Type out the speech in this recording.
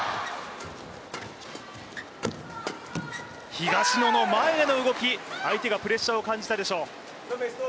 東野の前への動き、相手がプレッシャーを感じたでしょう。